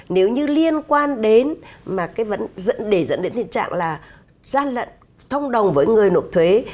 nếu như liên quan đến mà vẫn để dẫn đến tình trạng là gian lận thông đồng với người nộp thuế